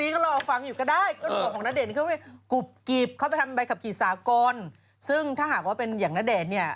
ของน่าเดเดเดนายังซึ่งถ้าหากว่าเป็นอย่างน่าเดเนี่ย